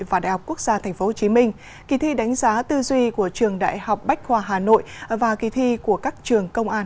và đại học quốc gia tp hcm kỳ thi đánh giá tư duy của trường đại học bách khoa hà nội và kỳ thi của các trường công an